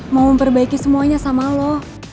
mau memperbaiki semuanya sama lo